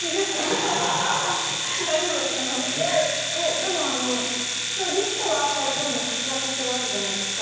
でもリストはこうやってどんどん活躍してるわけじゃないですか。